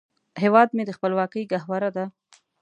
هیواد مې د خپلواکۍ ګهواره ده